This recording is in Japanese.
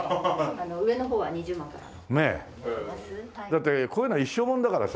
だってこういうのは一生もんだからさ。